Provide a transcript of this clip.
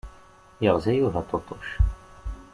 Yeɣza Yuba aṭuṭuc.